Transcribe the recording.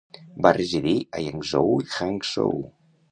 Va residir a Yangzhou i Hangzhou.